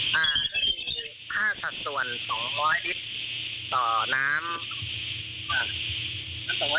จะมีค่าสัดส่วน๒๐๐ลิตรต่อน้ำ